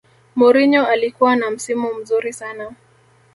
mourinho alikuwa na msimu mzuri sana